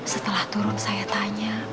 setelah turun saya tanya